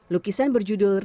lukisan berjudul lekasih